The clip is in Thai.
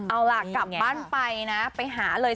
เอาล่ะกลับบ้านไปนะไปหาเลย